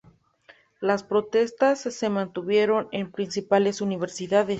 Las protestas se mantuvieron en las principales universidades.